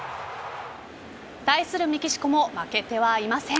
対するメキシコも負けてはいません。